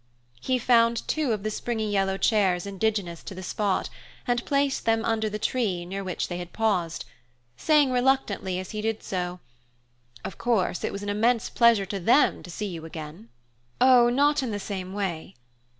He found two of the springy yellow chairs indigenous to the spot, and placed them under the tree near which they had paused, saying reluctantly, as he did so: "Of course it was an immense pleasure to them to see you again." "Oh, not in the same way.